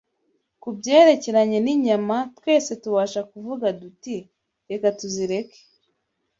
Ku byerekeranye n’inyama, twese tubasha kuvuga duti, Reka tuzireke